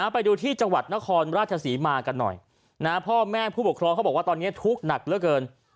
ไปดูที่จังหวัดนครราชศรีมากันหน่อยพ่อแม่ผู้ปกครองเขาบอกว่าตอนนี้ทุกข์หนักเหลือเกิน